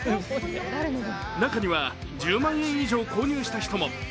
中には１０万円以上購入した人も。